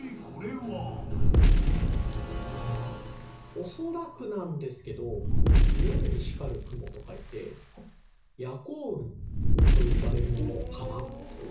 おそらくなんですけど夜に光る雲と書いて。と呼ばれるものかなと。